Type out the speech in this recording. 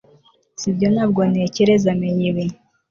sibyo Ntabwo ntekereza menya ibi